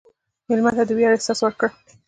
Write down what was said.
مېلمه ته د ویاړ احساس ورکړه.